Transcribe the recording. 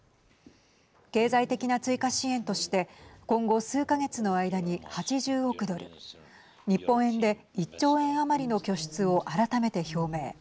経済的な追加支援として今後、数か月の間に８０億ドル日本円で１兆余りの拠出を改めて表明。